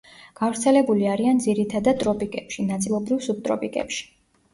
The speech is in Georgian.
გავრცელებული არიან ძირითადად ტროპიკებში, ნაწილობრივ სუბტროპიკებში.